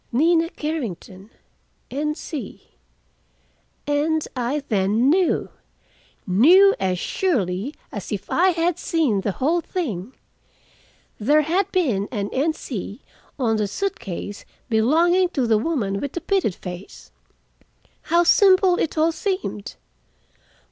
"Nina Carrington, N. C." And I then knew, knew as surely as if I had seen the whole thing. There had been an N. C. on the suit case belonging to the woman with the pitted face. How simple it all seemed.